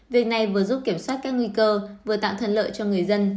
việc này vừa giúp kiểm soát các nguy cơ vừa tạo thuận lợi cho người dân